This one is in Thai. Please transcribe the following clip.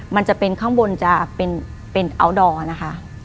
มันจะเป็นข้างบนจะเป็นอัลดอร์นะคะ